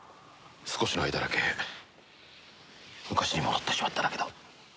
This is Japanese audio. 少しの間だけ昔に戻ってしまっただけだ。